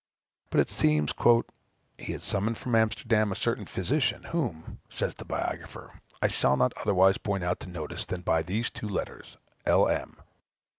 But it seems "he had summoned from Amsterdam a certain physician, whom," says the biographer, "I shall not otherwise point out to notice than by these two letters, L.M.